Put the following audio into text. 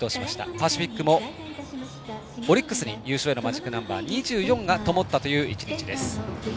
パシフィックもオリックスに優勝へのマジックナンバー２４がともったという一日です。